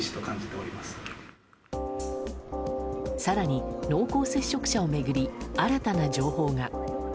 更に、濃厚接触者を巡り新たな情報が。